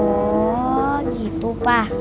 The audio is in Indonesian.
oh gitu pak